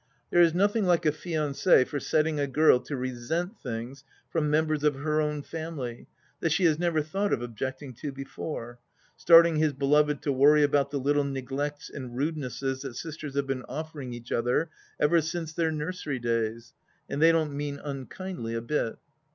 There is nothing like a fianci for setting a girl to resent things from members of her own family that she has never thought of objecting to before, starting his beloved to worry about the little neglects and rudenesses that sisters have been offering each other ever since their nursery days, and they don't mean unkindly a bit.